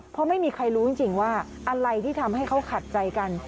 เพราะไม่มีใครรู้จริงว่าอะไรที่ทำให้เขาขัดใจกัน